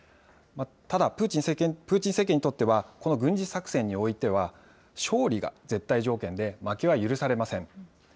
ただ、プーチン政権にとっては、この軍事作戦においては、勝利が絶対条件で、負けは許されません。